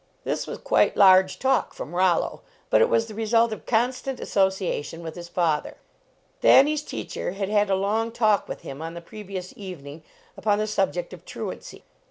This was quite large talk from Rollo, but it was the result of constant association with his father. Thanny s teacher had had a long talk with him on the previous evening upon the subject of truancy.